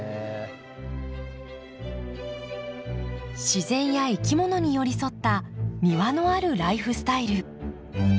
自然や生きものに寄り添った「庭のあるライフスタイル」。